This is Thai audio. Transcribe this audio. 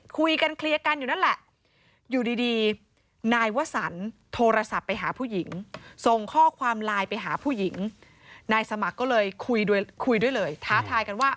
คุยกันเคลียร์กันอยู่นั่นแหละ